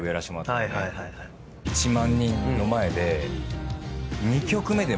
１万人の前で。